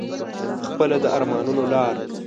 خپله د ارمانونو لار